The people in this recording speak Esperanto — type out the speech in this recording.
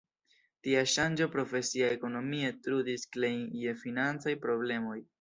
Tia ŝanĝo profesia ekonomie trudis Klein je financaj problemoj.